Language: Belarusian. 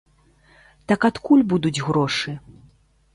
Так адкуль будуць грошы?